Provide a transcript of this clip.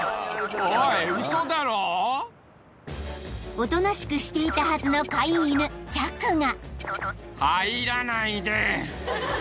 ［おとなしくしていたはずの飼い犬チャクが］